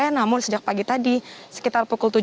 namun sejak pagi tadi sekitar pukul tujuh